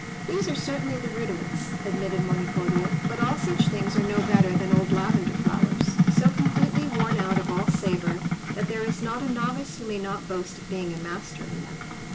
"These are certainly the rudiments," admitted Monipodio, "but all such things are no better than old lavender flowers, so completely worn out of all savour that there is not a novice who may not boast of being a master in them.